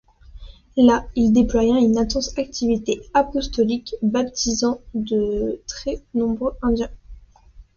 Là, il déploya une intense activité apostolique, baptisant de très nombreux indiens.